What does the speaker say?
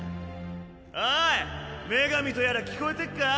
おい女神とやら聞こえてっか？